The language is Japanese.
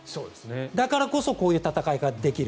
だからこそこういう戦い方ができる。